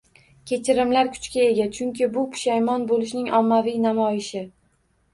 Kechirimlar kuchga ega, chunki bu pushaymon bo‘lishning ommaviy namoyishi